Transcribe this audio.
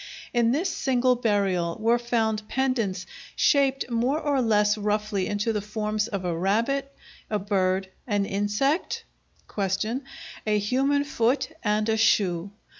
In this single burial were found pendants shaped more or less roughly into the forms of a rabbit, a bird, an insect (?), a human foot and a shoe.